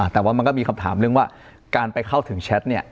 แต่ว่ามันก็มีคำถามเรื่องว่าการไปเข้าถึงแชทเนี่ย